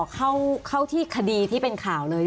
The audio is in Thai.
เข้าที่คดีที่เป็นข่าวเลย